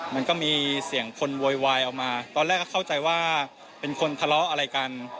มันก็มีเสียงคนโวยวายออกมาตอนแรกก็เข้าใจว่าเป็นคนทะเลาะอะไรกัน